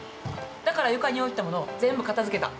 だから床に置いたもの、全部片づけた。